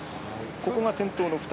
ここが先頭の２人。